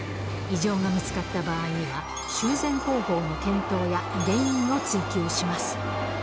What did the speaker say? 異常が見つかった場合には、修繕方法の検討や原因を追究します。